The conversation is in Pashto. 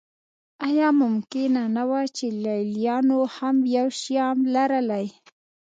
آیا ممکنه نه وه چې لېلیانو هم یو شیام لرلی